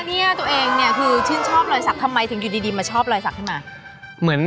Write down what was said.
เนี่ยตัวเองเนี่ยคือชื่นชอบรอยสักทำไมถึงอยู่ดีมาชอบรอยสักขึ้นมาเหมือน